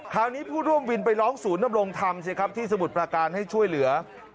คราวนี้ผู้ร่วมวินไปร้องศูนย์นำลงทำที่สมุทรปราการให้ช่วยเหลือ